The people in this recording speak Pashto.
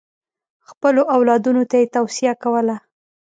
خپلو اولادونو ته یې توصیه کوله.